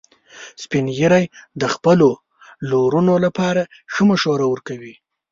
سپین ږیری د خپلو لورونو لپاره ښه مشوره ورکوي